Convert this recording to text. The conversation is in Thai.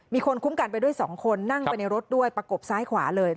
มีคนคุ้มกันไปด้วย๒คนนั่งไปในรถด้วยประกบซ้ายขวาเลย